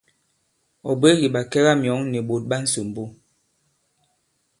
Ɔ̀ bwě kì ɓàkɛgamyɔ̌ŋ nì ɓòt ɓa ǹsòmbo.